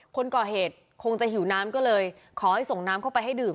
คนก่อเหตุคงจะหิวน้ำก็เลยขอให้ส่งน้ำเข้าไปให้ดื่ม